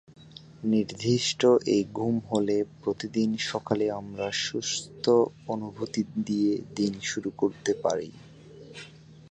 নির্দিষ্ট এই ঘুম হলে প্রতিদিন সকালে আমরা সুস্থ অনুভূতি দিয়ে দিন শুরু করতে পারি।